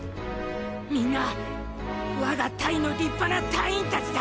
みんな我が隊の立派な隊員たちだ。